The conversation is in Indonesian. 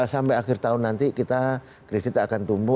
sampai akhir tahun nanti kita kredit akan tumbuh